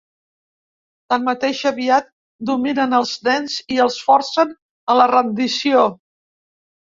Tanmateix, aviat dominen els nens i els forcen a la rendició.